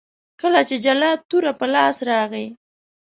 کله چې جلات توره په لاس راغی.